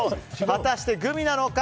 果たしてグミなのか。